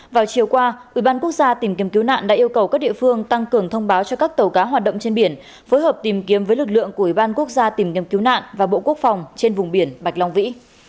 vào chiều qua ủy ban quốc gia tìm kiếm cứu nạn đã yêu cầu các địa phương tăng cường thông báo cho các tàu cá hoạt động trên biển phối hợp tìm kiếm với lực lượng của ủy ban quốc gia tìm kiếm cứu nạn và bộ quốc phòng trên vùng biển bạch long vĩ